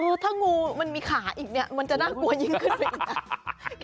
เออถ้างูมันมีขาอีกมันจะน่ากลัวยิ่งขึ้นไปอีก